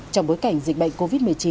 trong bối cảnh dịch bệnh covid một mươi chín